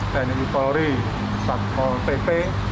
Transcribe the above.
dan itu polri pol pp